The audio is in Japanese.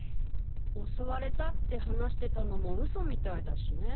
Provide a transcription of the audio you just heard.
襲われたって話してたのも嘘みたいだしね。